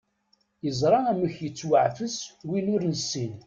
Yeẓra amek yettwaɛfes win ur nessin.